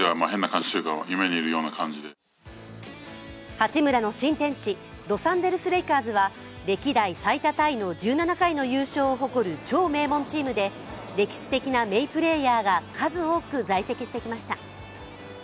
八村の新天地、ロサンゼルス・レイカーズは歴代最多タイの１７回の優勝を誇る超名門チームで歴史的な名プレーヤーが数多く在籍してきました。